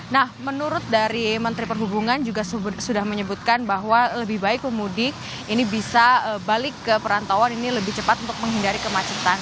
nah menurut dari menteri perhubungan juga sudah menyebutkan bahwa lebih baik pemudik ini bisa balik ke perantauan ini lebih cepat untuk menghindari kemacetan